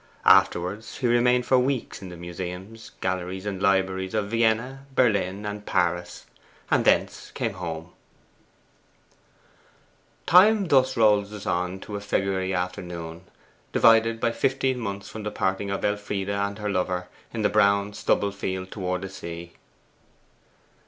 Afterwards he remained for weeks in the museums, galleries, and libraries of Vienna, Berlin, and Paris; and thence came home. Time thus rolls us on to a February afternoon, divided by fifteen months from the parting of Elfride and her lover in the brown stubble field towards the sea.